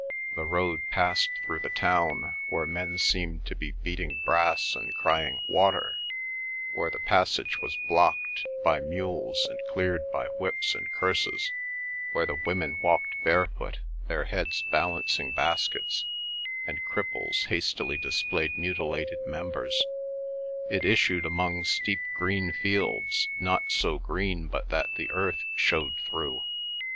The road passed through the town, where men seemed to be beating brass and crying "Water," where the passage was blocked by mules and cleared by whips and curses, where the women walked barefoot, their heads balancing baskets, and cripples hastily displayed mutilated members; it issued among steep green fields, not so green but that the earth showed through.